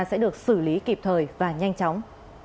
sẽ được xử lý kịp thời và nhanh chóng